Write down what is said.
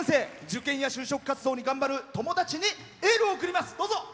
受験や就職活動に頑張る友達にエールを送ります。